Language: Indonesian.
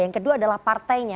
yang kedua adalah partainya